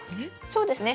そうですね。